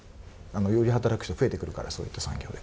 より働く人が増えてくるからそういった産業で。